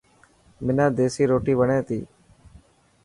حنان ديسي روٽي وڻي تي.